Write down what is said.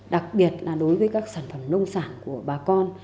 đặc biệt là đối với các sản phẩm nông sản của bà con